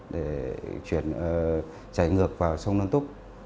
để chạy ngược vào sông đoan túc